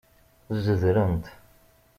Zedrent.